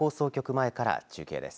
前から中継です。